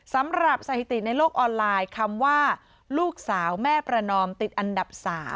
สำหรับสถิติในโลกออนไลน์คำว่าลูกสาวแม่ประนอมติดอันดับ๓